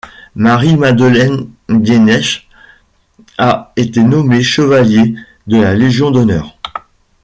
Marie-Madeleine Dienesch a été nommée chevalier de la Légion d'honneur.